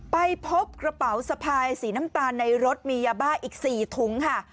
ไปพบกระเป๋าสะพายสีน้ำตาลในรถมียาบ้าอีก๔ถุงค่ะ